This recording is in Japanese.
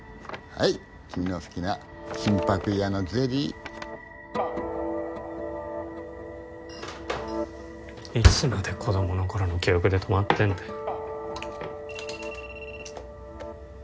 はい君の好きな金箔屋のゼリーいつまで子供の頃の記憶で止まってんだよ